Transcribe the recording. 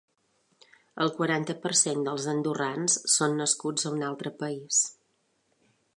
El quaranta per cent dels andorrans són nascuts en un altre país.